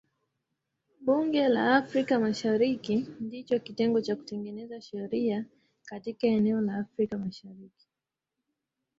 Bunge la Afrika Mashariki ndicho kitengo cha kutengeneza sheria katika eneo la Afrika Mashariki.